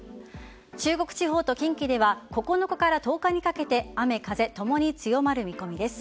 中国地方と近畿では９日から１０日にかけて雨風ともに強まる見込みです。